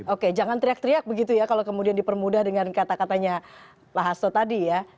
oke jangan teriak teriak begitu ya kalau kemudian dipermudah dengan kata katanya pak hasto tadi ya